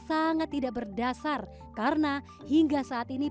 sangat tidak berdasar karena hingga saat ini